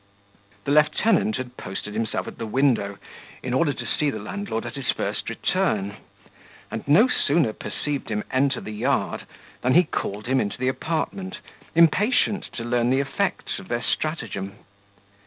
The lieutenant had posted himself at the window, in order to see the landlord at his first return: and no sooner perceived him enter the yard, than he called him into the apartment, impatient to learn the effects of their stratagem.